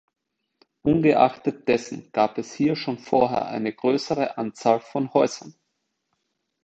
Ungeachtet dessen gab es hier schon vorher eine größere Anzahl von Häusern.